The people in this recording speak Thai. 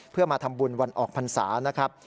เพื่อมาทำบุญวันออกพรรษานะครับ